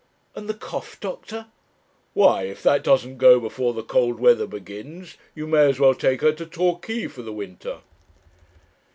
'And the cough, doctor?' 'Why, if that doesn't go before the cold weather begins, you may as well take her to Torquay for the winter.'